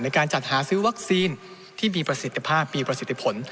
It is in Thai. การจัดหาซื้อวัคซีนที่มีประสิทธิภาพมีประสิทธิผล